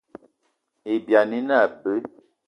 Ibyani ine abe.